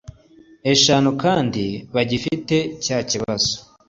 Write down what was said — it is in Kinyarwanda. eshanu kandi bagifite cya kibazo.